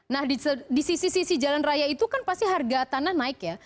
nah di sisi sisi jalan raya itu kan pasti harga tanah naik ya